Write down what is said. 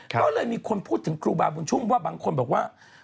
ก็เลยมีคนพูดถึงครูบาบุญชุ่มว่าบางคนบอกว่า